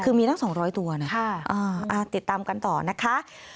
คือมีตั้งสองร้อยตัวเนี่ยค่ะอ่าอ่าติดตามกันต่อนะคะ